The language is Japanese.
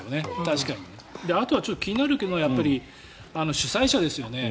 あとは気になるのは主催者ですよね。